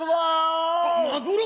マグロ！